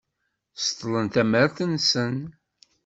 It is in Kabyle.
Seṭṭlen tamart-nsen.